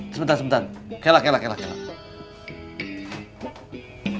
sebentar sebentar kelak kelak kelak